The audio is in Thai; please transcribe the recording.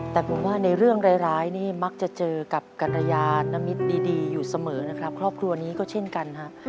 แต่ผมว่าในเรื่องร้ายนี่มักจะเจอกับกรยานมิตรดีอยู่เสมอนะครับครอบครัวนี้ก็เช่นกันฮะ